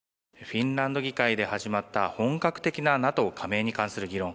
フィンランド議会で始まった、本格的なＮＡＴＯ加盟に関する議論